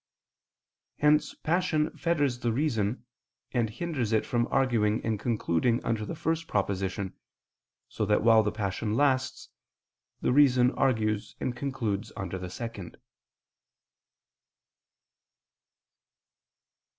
Hence passion fetters the reason, and hinders it from arguing and concluding under the first proposition; so that while the passion lasts, the reason argues and concludes under the second.